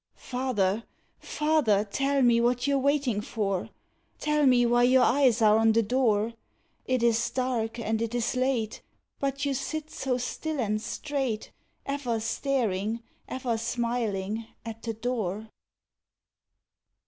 Father, father, tell me what you're waiting for, Tell me why your eyes are on the door. It is dark and it is late, But you sit so still and straight, Ever staring, ever smiling, at the door.